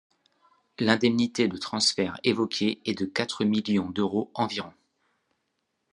L'indemnité de transfert évoquée est de quatre millions d'euros environ.